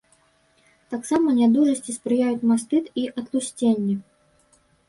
Таксама нядужасці спрыяюць мастыт і атлусценне.